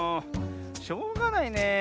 しょうがないねえ。